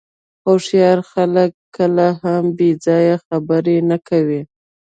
هوښیار خلک کله هم بې ځایه خبرې نه کوي.